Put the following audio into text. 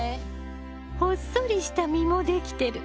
ほっそりした実もできてる。